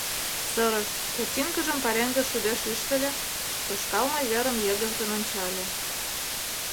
Сырыш, ботинкыжым пареҥге шудеш ӱштыльӧ, тошкалме верым йыгыжгын ончале.